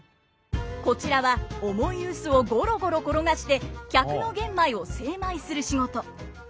こちらは重い臼をゴロゴロ転がして客の玄米を精米する仕事。